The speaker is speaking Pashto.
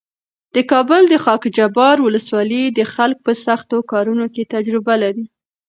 د کابل د خاکجبار ولسوالۍ خلک په سختو کارونو کې تجربه لري.